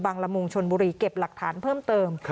ละมุงชนบุรีเก็บหลักฐานเพิ่มเติม